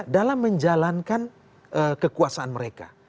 dalam menjalankan kekuasaan mereka